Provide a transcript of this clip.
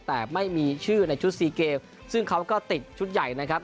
แต่ไม่มีชื่อในชุดซีเกมซึ่งเขาก็ติดชุดใหญ่นะครับ